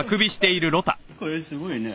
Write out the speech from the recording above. これすごいね。